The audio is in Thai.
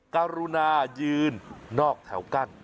กรุณายืนนอกแถวกั้น